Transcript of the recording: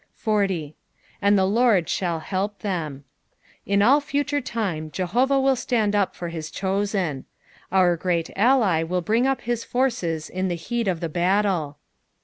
40. "And the Lord tftoZZ h^ Otem." In all future time Jehovah will stand up for his chosen. Our Oreat Ally will bring up his forces in tbe heat of the battle.